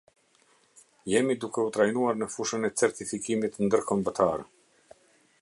Jemi duke u trajnuar në fushën e certifikimit ndërkombëtar.